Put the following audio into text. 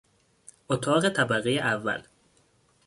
اتاق طبقهی اول